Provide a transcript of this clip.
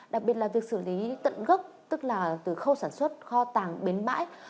đặc biệt là việc xử lý tận gốc tức là từ khâu sản xuất kho tàng bến bãi